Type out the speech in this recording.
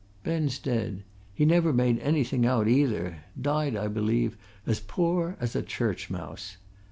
Ben's dead he never made anything out, either died, I believe, as poor as a church mouse.